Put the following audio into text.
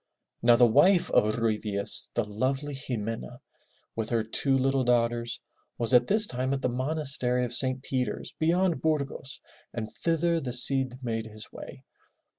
Now the wife of Ruy Diaz, the lovely Xi me'na, with her two little daughters, was at this time at the monastery of St. Peter's beyond Burgos, and thither the Cid made his way.